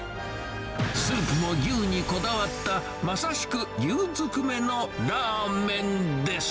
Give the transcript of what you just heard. スープも牛にこだわった、まさしく牛ずくめのラーメンです。